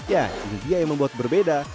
ya ini dia yang membuat berbeda